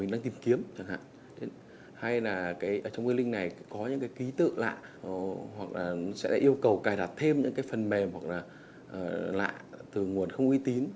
đang tìm kiếm chẳng hạn hay là ở trong cái link này có những cái ký tự lạ hoặc là sẽ yêu cầu cài đặt thêm những cái phần mềm hoặc là lạ từ nguồn không uy tín